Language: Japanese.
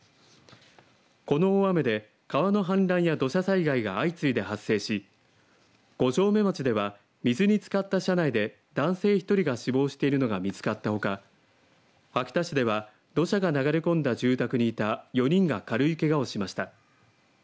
この大雨で川の氾濫や土砂災害が相次いで発生し五城目町では水につかった車内で男性１人が死亡しているのが見つかったほか秋田市で土砂が流れ込んだ住宅にいた４人が軽いけがをしました。